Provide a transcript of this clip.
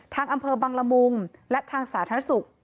อำเภอบังละมุงและทางสาธารณสุข